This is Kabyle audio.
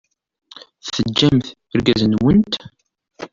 Teǧǧamt irgazen-nwent.